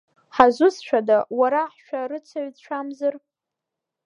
Ҳазусҭцәада, уара ҳшәарыцаҩцәамзар?